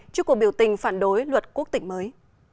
trước cuộc biểu tình phản đối luật quốc tịch mới